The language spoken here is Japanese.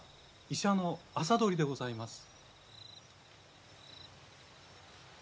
医者の麻鳥でございます。